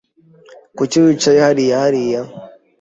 Kuki wicaye hariya hariya?